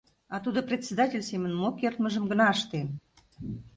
— А тудо председатель семын мо кертмыжым гына ыштен.